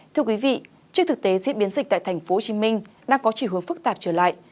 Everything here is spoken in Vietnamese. thưa quý vị trước thực tế diễn biến dịch tại tp hcm đang có chiều hướng phức tạp trở lại